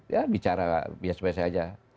ya bicara biasa biasa saja